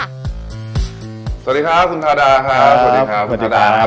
สวัสดีครับคุณทาดาครับสวัสดีครับคุณธิดาครับ